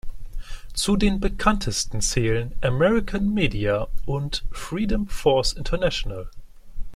Zu den bekanntesten zählen „American Media“ und „Freedom Force International“.